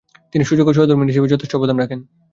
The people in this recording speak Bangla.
তিনি সুযোগ্য সহধর্মিণী হিসেবে যথেষ্ট অবদান রাখেন।